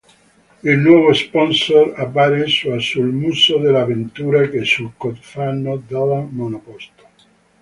Il nuovo sponsor appare sua sul muso della vettura che sul cofano della monoposto.